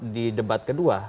di debat kedua